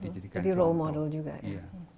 jadi role model juga ya